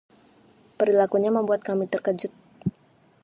Perilakunya membuat kami terkejut.